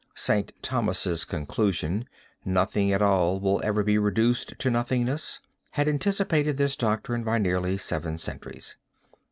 St. Thomas' conclusion "Nothing at all will ever be reduced to nothingness" had anticipated this doctrine by nearly seven centuries.